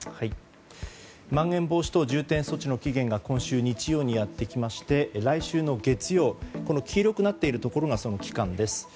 まん延防止等重点措置の期限が今週日曜にやってきまして来週の月曜黄色くなっているところがその期間です。